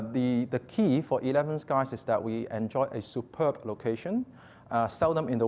tentu saja kuncinya untuk sebelas sky adalah kita menikmati lokasi yang luar biasa